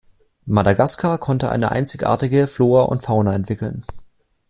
Madagaskar konnte eine einzigartige Flora und Fauna entwickeln.